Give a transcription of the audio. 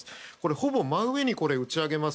ほぼ真上に撃ち上げます